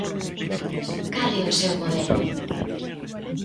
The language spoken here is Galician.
Cal é o seu modelo?